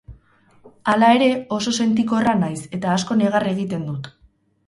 Hala ere, oso sentikorra naiz eta asko negar egiten dut.